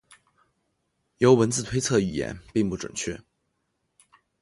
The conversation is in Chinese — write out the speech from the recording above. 由文字推测语言并不准确。